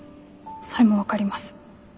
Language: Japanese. それも分かります。